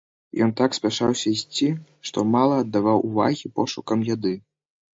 Ён так спяшаўся ісці, што мала аддаваў увагі пошукам яды.